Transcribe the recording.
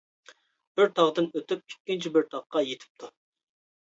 بىر تاغدىن ئۆتۈپ، ئىككىنچى بىر تاغقا يېتىپتۇ.